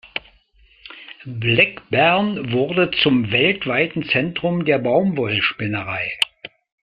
Blackburn wurde zum weltweiten Zentrum der Baumwollspinnerei.